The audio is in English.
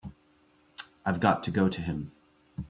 I've got to go to him.